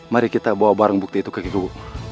mari kita bawa barang bukti itu ke ibu